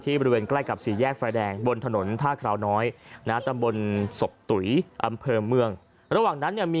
ที่บริเวณใกล้กับสี่แยกไฟแดงบนถนนท่าคราวน้อย